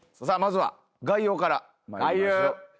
さあまずは概要から。